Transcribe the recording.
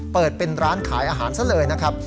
เปิดเป็นร้านขายอาหารซะเลยนะครับ